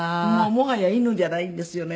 もはや犬じゃないんですよね